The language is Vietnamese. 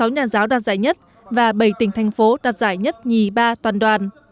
một mươi sáu nhà giáo đặt giải nhất và bảy tỉnh thành phố đặt giải nhất nhì ba toàn đoàn